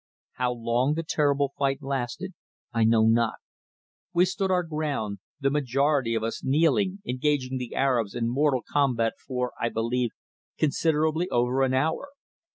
How long the terrible fight lasted I know not. We stood our ground, the majority of us kneeling, engaging the Arabs in mortal combat for, I believe, considerably over an hour.